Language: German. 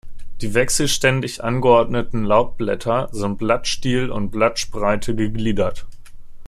Die wechselständig angeordneten Laubblätter sind Blattstiel und Blattspreite gegliedert.